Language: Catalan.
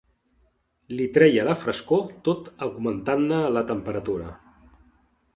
Li treia la frescor tot augmentant-ne la temperatura.